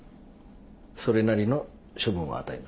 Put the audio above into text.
それなりの処分を与えます。